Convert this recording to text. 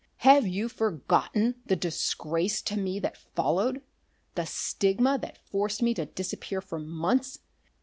"Have you forgotten the disgrace to me that followed? the stigma that forced me to disappear for months?